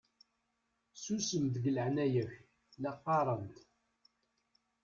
Susem deg leɛnaya-k la qqaṛent!